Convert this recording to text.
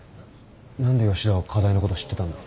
何で吉田は課題のこと知ってたんだ？